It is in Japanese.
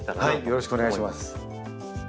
よろしくお願いします。